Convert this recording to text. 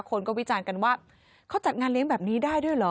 คนก็วิจารณ์กันว่าเขาจัดงานเลี้ยงแบบนี้ได้ด้วยเหรอ